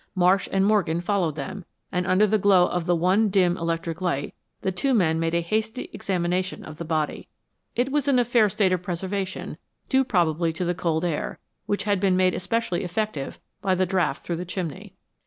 Marsh and Morgan followed them, and under the glow of the one dim electric light, the two men made a hasty examination of the body. It was in a fair state of preservation, due probably to the cold air, which had been made especially effective by the draft through the chimney.